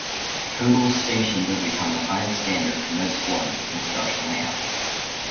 Total stations have become the highest standard for most forms of construction layout.